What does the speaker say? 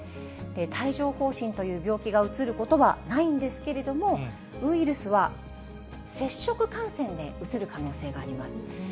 帯状ほう疹という病気がうつることはないんですけれども、ウイルスは接触感染でうつる可能性があります。